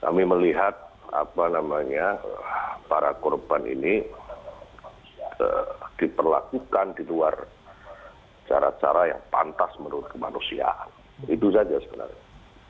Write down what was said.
kami melihat apa namanya para korban ini diperlakukan di luar cara cara yang pantas menurut kemanusiaan itu saja sebenarnya